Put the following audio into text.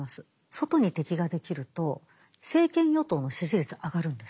外に敵ができると政権与党の支持率が上がるんです。